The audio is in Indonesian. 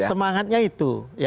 semangatnya itu ya